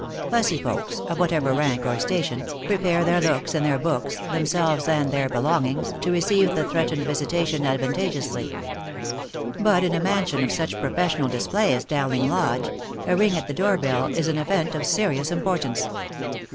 Fussy folks, of whatever rank or station, prepare their looks and their books, themselves and their belongings, to receive the threatened visitation advantageously ; but in a mansion of such professional display as Dowling Lodge, a ring at the door bell is an event of serious importance.